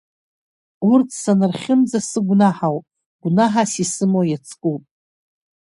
Урҭ санырхьымӡа сыгәнаҳауп, гәнаҳас исымоу иацкуп.